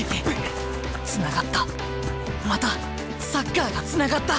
つながったまたサッカーがつながった！